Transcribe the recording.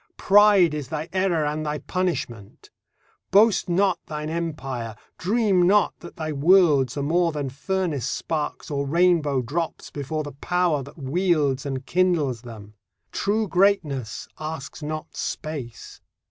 Pride is thy error and thy punishment. Boast not thine empire, dream not that thy worlds Are more than furnace sparks or rainbow drops Before the Power that wields and kindles them. True greatness asks not space.